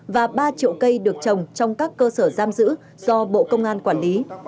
và ba triệu cây được trồng trong các cơ sở giam giữ do bộ công an quản lý